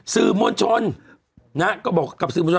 สื่อมวลชนก็บอก